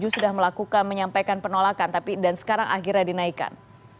sudah melakukan menyampaikan penolakan dan sekarang akhirnya dinaikan